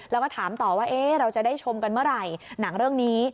แล้วก็ถามต่อว่าเราจะได้ชมกันเมื่อไหร่หนังเรื่องนี้